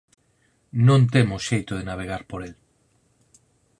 Non temos xeito de navegar por el.